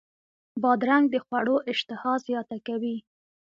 بادرنګ د خوړو اشتها زیاته کوي.